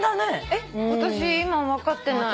えっ私今分かってない。